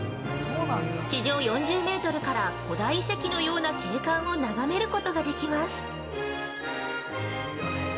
地上４０メートルから古代遺跡のような景観を眺めることができます。